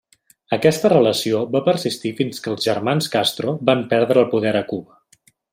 Aquesta relació va persistir fins que els germans Castro van prendre el poder a Cuba.